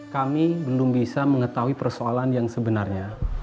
kami belum bisa mengetahui persoalan yang sebenarnya